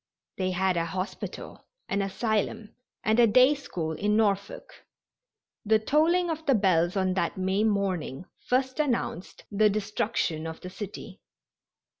They had a hospital, an asylum and a day school in Norfolk. The tolling of the bells on that May morning first announced the destruction of the city.